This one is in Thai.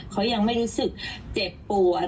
เขายังไม่รู้สึกเจ็บปวด